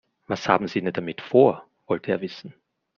Was haben Sie denn damit vor?, wollte er wissen.